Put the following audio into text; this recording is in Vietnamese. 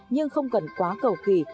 nhưng không cần quá cầu kỳ